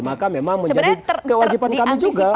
maka memang menjadi kewajiban kami juga